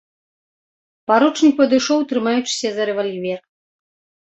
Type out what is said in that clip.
Паручнік падышоў, трымаючыся за рэвальвер.